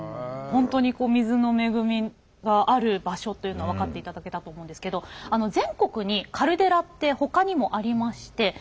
本当にこう水の恵みがある場所というのは分かっていただけたと思うんですけど全国にカルデラってほかにもありまして。